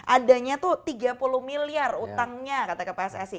adanya tuh tiga puluh miliar utangnya kata ke pssi